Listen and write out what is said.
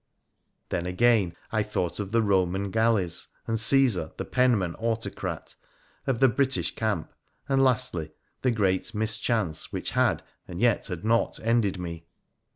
Then, again, I thought of the Boman galleys, and Caesar the penman autocrat ; of the British camp, and, lastly, the great mischance which had, and yet had not, ended me.